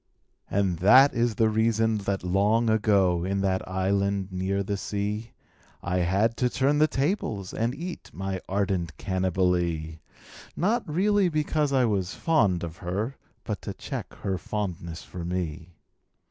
And that is the reason that long ago. In that island near the sea, I had to turn the tables and eat My ardent Cannibalee — Not really because I was fond of her, But to check her fondness for me.